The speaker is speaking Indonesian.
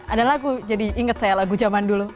ada lagu jadi inget saya lagu zaman dulu